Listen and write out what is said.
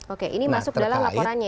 oke ini masuk dalam laporannya